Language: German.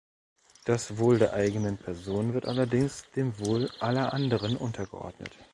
Das Wohl der eigenen Person wird allerdings dem Wohl aller anderen untergeordnet.